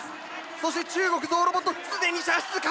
そして中国ゾウロボット既に射出開始！